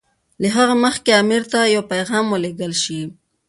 له هغه مخکې امیر ته یو پیغام ولېږل شي.